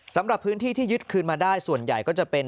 สำหรับพื้นที่ที่ยึดคืนมาได้ส่วนใหญ่ก็จะเป็น